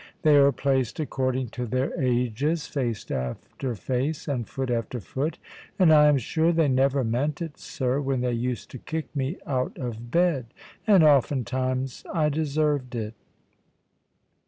They are placed according to their ages, face after face, and foot after foot. And I am sure they never meant it, sir, when they used to kick me out of bed: and oftentimes I deserved it."